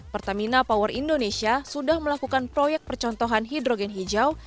pertamina power indonesia sudah melakukan proyek percontohan hidrogen hijau